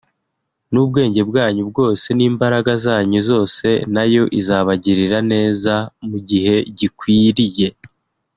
n'ubwenge bwanyu bwose n'imbaraga zanyu zose nayo izabagirira neza mu gihe gikwiriye